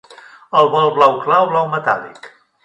El vol blau clar, o blau metàl·lic?